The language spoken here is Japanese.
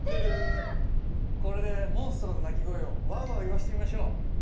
これでモンストロの鳴き声をワウワウ言わせてみましょう！